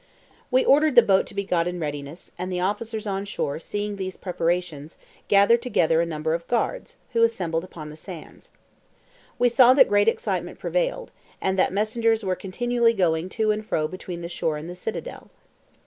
We ordered the boat to be got in readiness, and the officers on shore seeing these preparations, gathered together a number of guards, who assembled upon the sands. We saw that great excitement prevailed, and that messengers were continually going to and fro between the shore and the citadel.